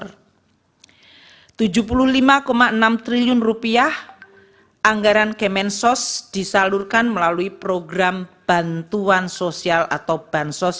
rp tujuh puluh lima enam triliun anggaran kemensos disalurkan melalui program bantuan sosial atau bansos